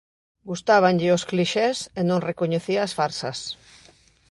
Gustábanlle os clixés e non recoñecía as farsas.